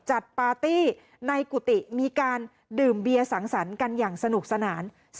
ปาร์ตี้ในกุฏิมีการดื่มเบียสังสรรค์กันอย่างสนุกสนาน